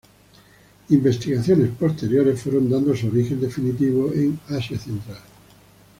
Investigaciones posteriores fueron dando su origen definitivo en Asia Central.